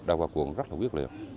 đã vào cuộc rất là quyết liệt